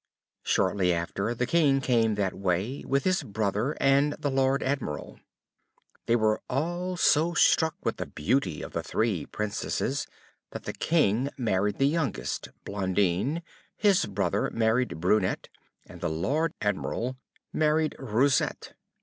Shortly after, the King came that way, with his brother and the Lord Admiral. They were all so struck with the beauty of the three Princesses, that the King married the youngest, Blondine, his brother married Brunette, and the Lord Admiral married Roussette.